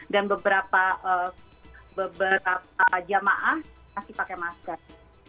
dan beberapa jemaah masih pakai masker